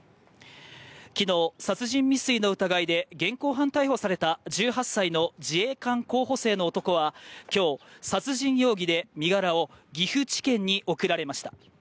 昨日、殺人未遂の疑いで現行犯逮捕された１８歳の自衛官候補生の男は今日、殺人容疑で身柄を岐阜地検に送られました。